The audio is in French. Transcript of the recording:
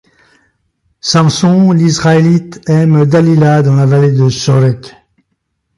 Samson l'Israélite aime Dalila dans la vallée de Sorek.